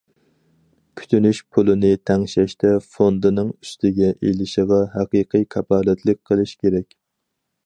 كۈتۈنۈش پۇلىنى تەڭشەشتە فوندىنىڭ ئۈستىگە ئېلىشىغا ھەقىقىي كاپالەتلىك قىلىش كېرەك.